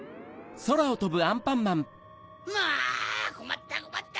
・あこまったこまった！